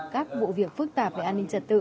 các vụ việc phức tạp về an ninh trật tự